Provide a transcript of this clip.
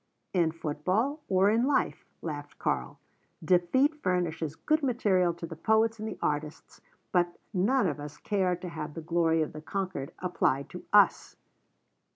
_" "In football or in life," laughed Karl. "Defeat furnishes good material to the poets and the artists, but none of us care to have the glory of the conquered apply to _us.